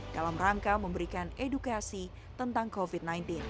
dalam rangka memberikan edukasi tentang covid sembilan belas